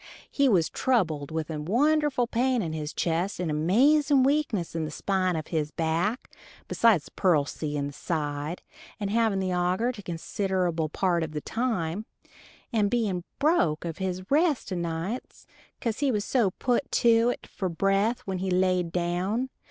He was troubled with a wonderful pain in his chest, and amazin' weakness in the spine of his back, besides the pleurissy in the side, and having the ager a considerable part of the time, and bein' broke of his rest o' nights 'cause he was so put to 't for breath when he laid down.